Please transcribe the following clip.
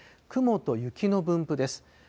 雲と雪の分布です。